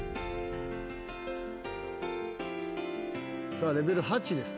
さあレベル８です。